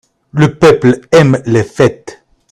Le peuple aime les fêtes.